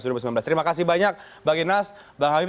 terima kasih banyak bang inas bang habib